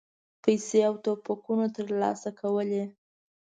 پیسې او توپکونه ترلاسه کولې.